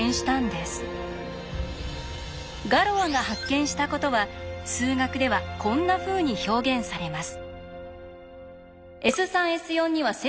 ガロアが発見したことは数学ではこんなふうに表現されます。